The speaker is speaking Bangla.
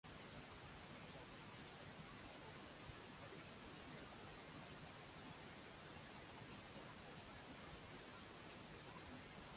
নৌকার মাঝি, কর্মজীবী ও শ্রমিকরা দলবদ্ধভাবে বা সারিবদ্ধভাবে কাজের তালে তালে শ্রম লাঘব করার জন্য এ গান থেকে থাকে।